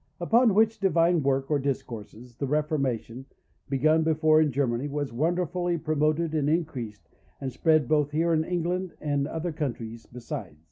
"Upon which divine work, or Discourses, the Reformation, begun before in Germany, was wonderfully promoted and increased, and spread both here in England and other countries besides.